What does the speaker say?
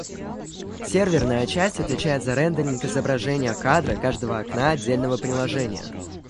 Серверная часть отвечает за рендеринг изображения кадра каждого окна отдельного приложения